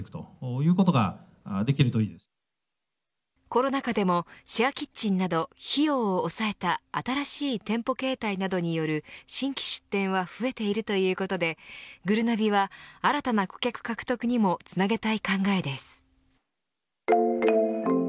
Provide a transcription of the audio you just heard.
コロナ禍でもシェアキッチンなど費用を抑えた新しい店舗形態などによる新規出店は増えているということでぐるなびは、新たな顧客獲得にもつなげたい考えです。